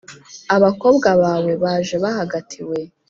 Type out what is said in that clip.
abakobwa bawe baje bahagatiwe.